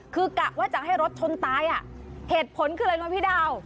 คือกะว่าจะให้รถชนตายเหตุผลคืออะไรนะพี่ดาว